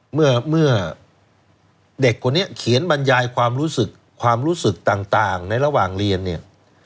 เมื่อเด็กคนนี้เขียนบรรยายความรู้สึกความรู้สึกต่างในระหว่างเรียนเนี่ย